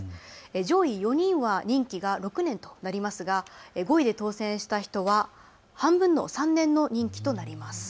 上位４人は任期が６年となりますが５位で当選した人は半分の３年の任期となります。